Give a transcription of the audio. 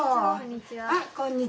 こんにちは。